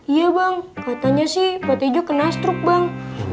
iya bang katanya sih pak tejo kena struk bang